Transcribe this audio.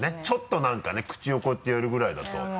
ちょっと何かねクチをこうやってやるぐらいだと。